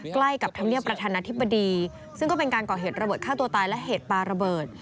ใกล้กับธรรมเนียบประธานาธิบดีซึ่งก็เป็นการก่อเหตุระเบิดฆ่าตัวตายและเหตุปลาระเบิด